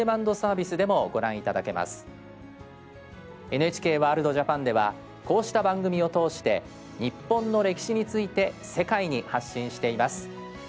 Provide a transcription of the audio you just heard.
ＮＨＫワールドＪＡＰＡＮではこうした番組を通して日本の歴史について世界に発信しています。